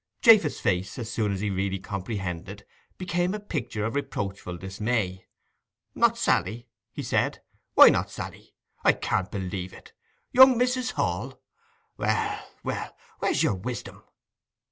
Japheth's face, as soon as he really comprehended, became a picture of reproachful dismay. 'Not Sally?' he said. 'Why not Sally? I can't believe it! Young Mrs. Hall! Well, well—where's your wisdom?